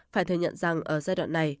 phải thừa nhận rằng ở giai đoạn này